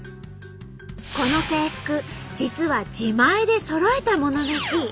この制服実は自前でそろえたものらしい。